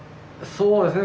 そうですね